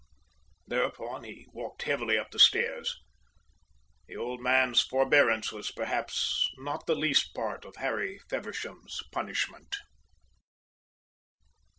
Thereupon he walked heavily up the stairs. The old man's forbearance was perhaps not the least part of Harry Feversham's punishment.